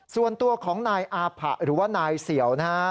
ส่วนตัวของนายอาผะหรือว่านายเสี่ยวนะฮะ